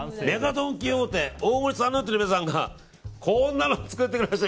ドン・キホーテ大森山王店の皆さんからこんなのを作ってくれました。